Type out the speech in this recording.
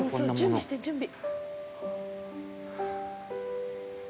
準備して準備。